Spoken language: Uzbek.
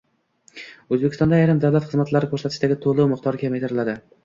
O‘zbekistonda ayrim davlat xizmatlari ko‘rsatishdagi to‘lov miqdorlari kamaytiriladi